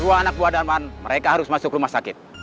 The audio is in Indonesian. dua anak buah darman mereka harus masuk rumah sakit